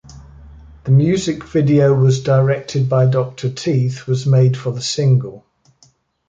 The music video was directed by Doctor Teeth was made for the single.